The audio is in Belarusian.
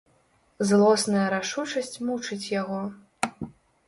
Злосная рашучасць мучыць яго.